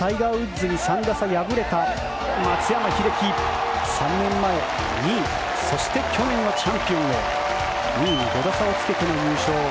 そして、そのタイガー・ウッズに３打差、敗れた松山英樹３年前、２位そして去年はチャンピオンを２位に５打をつけての優勝。